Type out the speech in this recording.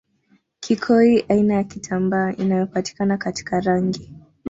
kikoi aina ya kitambaa inayopatikana katika rangi